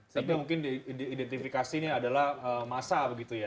tapi mungkin identifikasinya adalah massa begitu ya